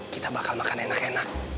kita bakal makan enak enak